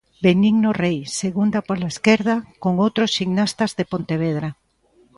Benigno Rei, segundo pola esquerda, con outros ximnastas de Pontevedra.